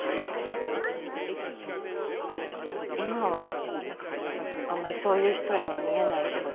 今はあんまりそういう人には見えないけど。